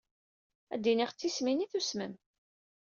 Ad d-iniɣ d tismin i tusmem.